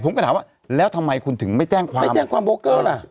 ผมก็ถามว่าแล้วทำไมคุณถึงไม่แจ้งความไม่แจ้งความโบเกอร์ล่ะ